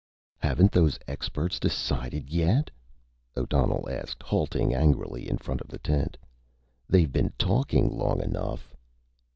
"Haven't those experts decided yet?" O'Donnell asked, halting angrily in front of the tent. "They've been talking long enough."